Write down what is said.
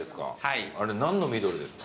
あれ何の緑ですか？